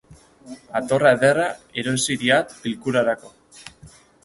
Atorra ederra erosi diat bilkurarako.